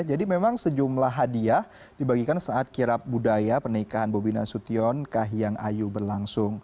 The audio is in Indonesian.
jadi memang sejumlah hadiah dibagikan saat kirap budaya pernikahan bobi nasution ke hiyang ayu berlangsung